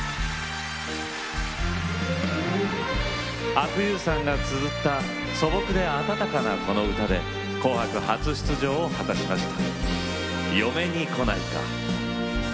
阿久悠さんがつづった素朴で温かなこの歌で「紅白歌合戦」初出場を果たしました。